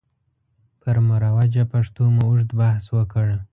پر مروجه پښتو مو اوږد بحث وکړ.